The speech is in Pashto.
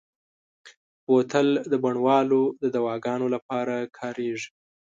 بوتل د بڼوالو د دواګانو لپاره کارېږي.